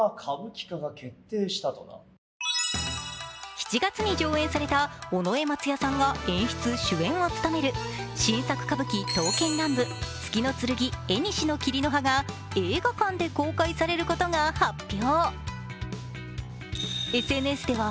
７月に上演された尾上松也さんが演出・主演を務める新作歌舞伎「刀剣乱舞月刀剣縁桐」が映画館で公開されることが発表！